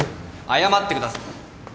謝ってください。